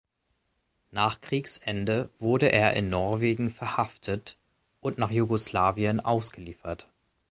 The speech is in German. Nach Kriegsende wurde er in Norwegen verhaftet und nach Jugoslawien ausgeliefert.